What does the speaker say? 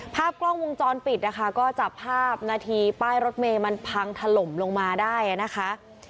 ภาพกล้องวงจรปิดนะคะก็จับภาพนาทีป้ายรถเมย์มันพังถล่มลงมาได้นะคะ